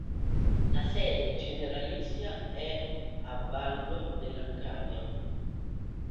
La sede generalizia è a Vallo della Lucania.